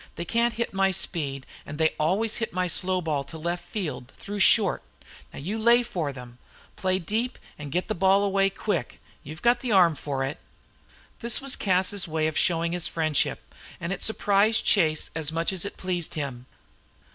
They can't hit my speed, and they always hit my slow ball to left field, through short. Now you lay for them. Play deep and get the ball away quick. You've got the arm for it." This was Cas's way of showing his friendship, and it surprised Chase as much as it pleased him.